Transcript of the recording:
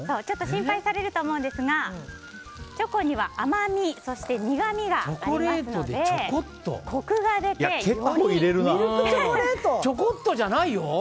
ちょっと心配されると思うんですがチョコには甘み、そして苦みがありますのでチョコっとじゃないよ。